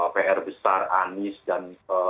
pr besar anis dan